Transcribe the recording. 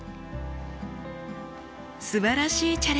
すばらしいチャレンジ